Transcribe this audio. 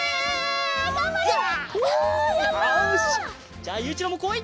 じゃあゆういちろうもこい！